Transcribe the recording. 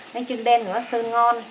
bánh trưng đen của bắp sơn ngon